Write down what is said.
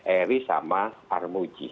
eri sama armuji